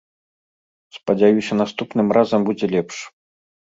Спадзяюся наступным разам будзе лепш.